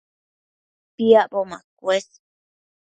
Piacbo macuës